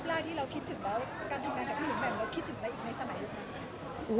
การทำงานกับพี่หลุมแหม่มเราคิดถึงอะไรอีกในสมัยหรือเปล่า